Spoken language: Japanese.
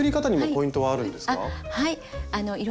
はい。